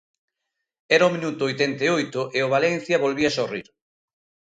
Era o minuto oitenta e oito e o Valencia volvía sorrir.